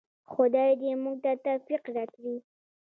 خدای دې موږ ته توفیق راکړي